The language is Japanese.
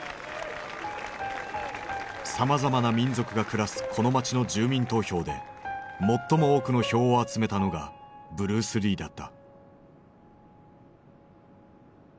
さまざまな民族が暮らすこの町の住民投票で最も多くの票を集めたのがブルース・リーだった。